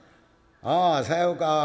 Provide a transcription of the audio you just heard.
「あさようか？